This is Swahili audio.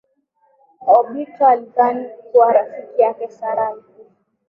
Obito alidhani kuwa rafiki yake Sarah alikufa